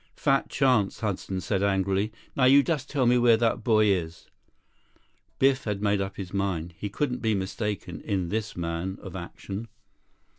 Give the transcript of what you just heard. "Fat chance," Hudson said angrily. "Now you just tell me where that boy is." Biff had made up his mind. He couldn't be mistaken in this man of action.